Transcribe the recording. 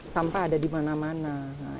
sampah ada di mana mana